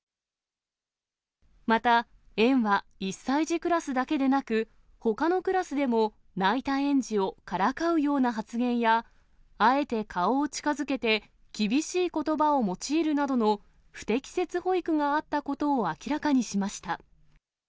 また、園は１歳児クラスだけでなく、ほかのクラスでも泣いた園児をからかうような発言や、あえて顔を近づけて、厳しいことばを用いるなどの不適切保育があったことを明らかにしました。